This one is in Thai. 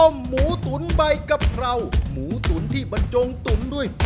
คุณผู้ชม